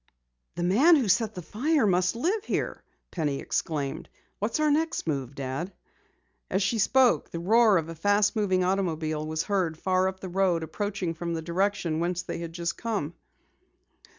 "The man who set the fire must live there!" Penny exclaimed. "What's our next move, Dad?" As she spoke, the roar of a fast traveling automobile was heard far up the road, approaching from the direction whence they had just come.